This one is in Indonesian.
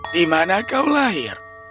di mana kau lahir